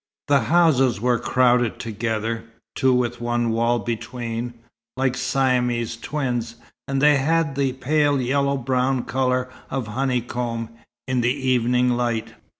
The houses were crowded together, two with one wall between, like Siamese twins, and they had the pale yellow brown colour of honeycomb, in the evening light.